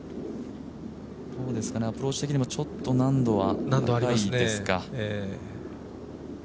アプローチ的にも難度は高いですか。